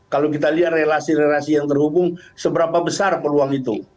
kalau kita lihat relasi relasi yang terhubung seberapa besar peluang itu